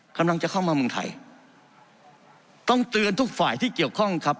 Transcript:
กำลังจะเข้ามาเมืองไทยต้องเตือนทุกฝ่ายที่เกี่ยวข้องครับ